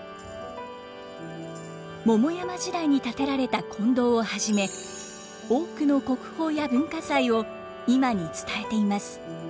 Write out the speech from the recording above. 桃山時代に建てられた金堂をはじめ多くの国宝や文化財を今に伝えています。